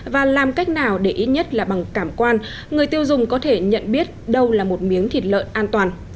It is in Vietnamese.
và làm cách nào để ít nhất là bằng cảm quan người tiêu dùng có thể nhận biết đâu là một miếng thịt lợn an toàn